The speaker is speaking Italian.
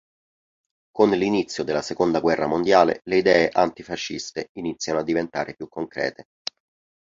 Con l'inizio della seconda guerra mondiale le idee antifasciste iniziano a diventare più concrete.